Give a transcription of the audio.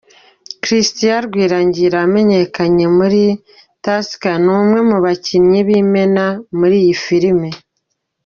Christian Rwirangira wamenyakanye muri Tusker, ni umwe mu bakinnyi b'imena muri iyi filimi.